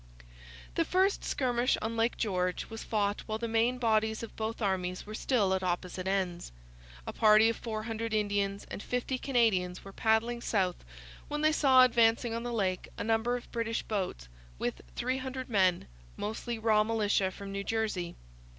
The first skirmish on Lake George was fought while the main bodies of both armies were still at opposite ends. A party of 400 Indians and 50 Canadians were paddling south when they saw advancing on the lake a number of British boats with 300 men, mostly raw militia from New Jersey.